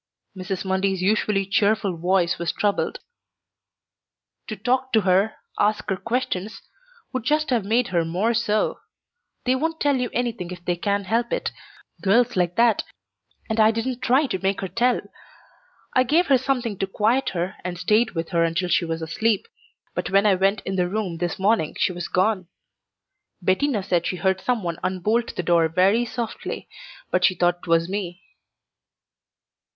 Mrs. Mundy's usually cheerful voice was troubled. "To talk to her, ask her questions, would just have made her more so. They won't tell you anything if they can help it girls like that and I didn't try to make her tell. I gave her something to quiet her and stayed with her until she was asleep, but when I went in the room this morning she was gone. Bettina said she heard some one unbolt the door very softly, but she thought 'twas me."